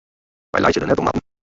Wy laitsje der net om, Marten.